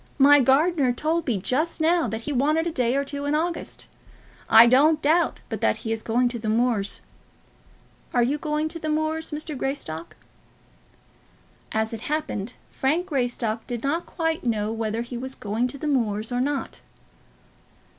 "My gardener told me just now that he wanted a day or two in August. I don't doubt but that he is going to the moors. Are you going to the moors, Mr. Greystock?" As it happened, Frank Greystock did not quite know whether he was going to the moors or not.